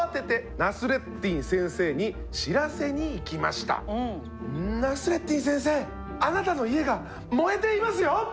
「ナスレッディン先生あなたの家が燃えていますよ！」。